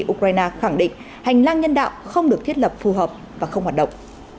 trong khi ukraine khẳng định hành lang nhân đạo không được thiết lập phù hợp và không hoạt động